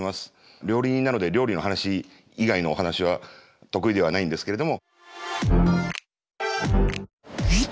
料理人なので料理の話以外のお話は得意ではないんですけれども。